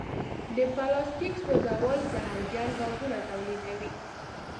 د پلاسټیک سوځول زهرجن ګازونه تولیدوي.